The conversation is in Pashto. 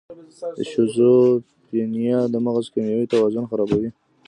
د شیزوفرینیا د مغز کیمیاوي توازن خرابوي.